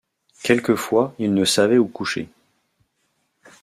Quelquefois il ne savait où coucher.